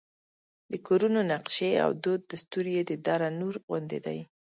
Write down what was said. د کورونو نقشې او دود دستور یې د دره نور غوندې دی.